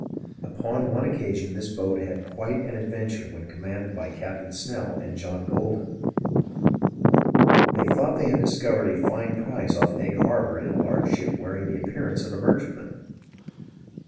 Upon one occasion this boat had quite \_sic~\ an adventure when commanded by Captain Snell and John Goldin. They thought they had discov ered a fine prize off Egg Harbor in a large ship wearing the appearance of a merchantman.